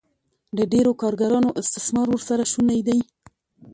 د ډېرو کارګرانو استثمار ورسره شونی دی